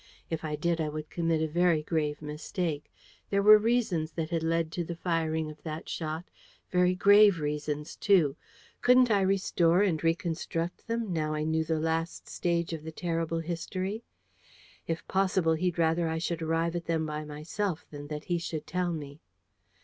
If I did, I would commit a very grave mistake. There were reasons that had led to the firing of the shot. Very grave reasons too. Couldn't I restore and reconstruct them, now I knew the last stage of the terrible history? If possible, he'd rather I should arrive at them by myself than that he should tell me.